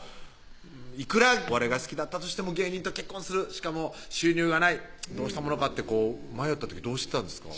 いくらお笑いが好きだったとしても芸人と結婚するしかも収入がないどうしたものかってこう迷った時どうしてたんですか？